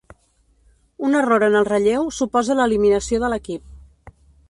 Un error en el relleu suposa l'eliminació de l'equip.